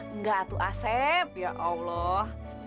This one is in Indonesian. enggak satu asep ya allah